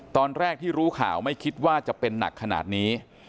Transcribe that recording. ตอนแรกที่รู้ข่าวไม่คิดว่าจะเป็นหนักขนาดนี้